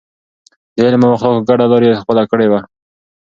د علم او اخلاقو ګډه لار يې خپله کړې وه.